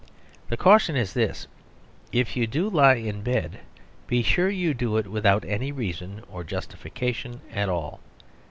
The caution is this: if you do lie in bed, be sure you do it without any reason or justification at all.